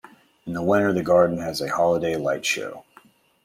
In the winter the Garden has a holiday light show.